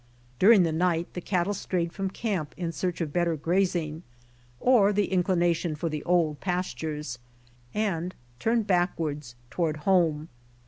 Dur ing the night the cattle strayed from camp in search of better grazing, or the inclination for the old pas tures, and turned backwards toward home.